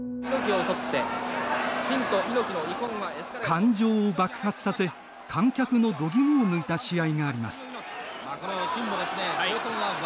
感情を爆発させ観客のどぎもを抜いた試合があります。